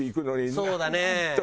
そうだね！